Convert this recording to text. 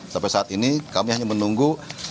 sampai saat ini kami hanya menunggu